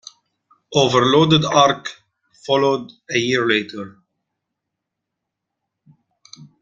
"Overloaded Ark" followed a year later.